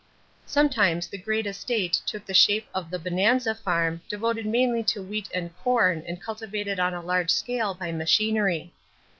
Sometimes the great estate took the shape of the "bonanza farm" devoted mainly to wheat and corn and cultivated on a large scale by machinery.